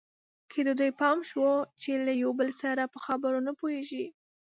د دوی پام شول چې له یو بل سره په خبرو نه پوهېږي.